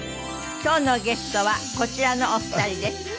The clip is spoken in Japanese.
今日のゲストはこちらのお二人です。